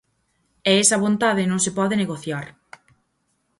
E esa vontade non se pode negociar.